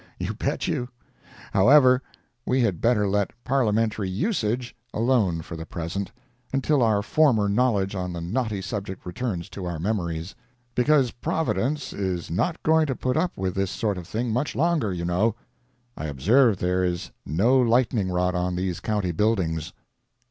You bet you. However, we had better let "parliamentary usage" alone for the present, until our former knowledge on the knotty subject returns to our memories. Because Providence is not going to put up with this sort of thing much longer, you know. I observe there is no lightning rod on these county buildings.